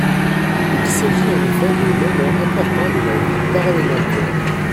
Il s’agit en effet de moments importants de la vie parlementaire.